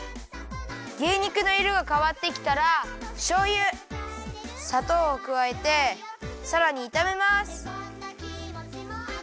牛肉のいろがかわってきたらしょうゆさとうをくわえてさらにいためます。